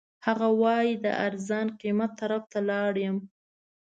هغه وایي د ارزان قیمت طرف ته لاړ یم.